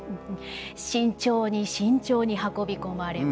慎重に慎重に運び込まれます。